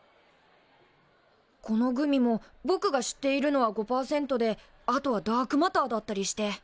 このグミもぼくが知っているのは５％であとはダークマターだったりして。